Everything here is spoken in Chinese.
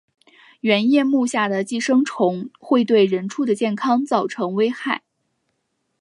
圆叶目下的寄生虫会对人畜的健康造成危害。